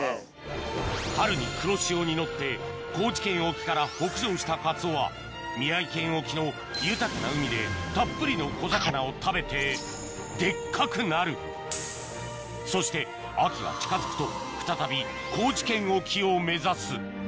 春に黒潮に乗って高知県沖から北上したカツオは宮城県沖の豊かな海でたっぷりの小魚を食べてデッカくなるそして秋が近づくと再び高知県沖を目指す